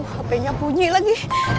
hape nya bunyi lagi